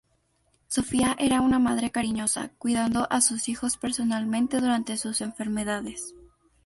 Sofía era una madre cariñosa, cuidando a sus hijos personalmente durante sus enfermedades.